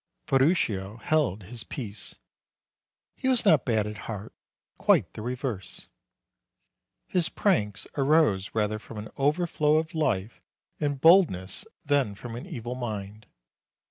Ferruccio held his peace. He was not bad at heart ; quite the reverse. His pranks arose rather from an overflow of life and boldness than from an evil mind.